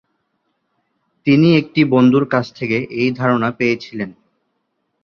তিনি একটি বন্ধুর কাছ থেকে এই ধারণা পেয়েছিলেন।